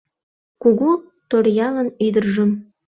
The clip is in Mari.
Кугу Торъялын ӱдыржым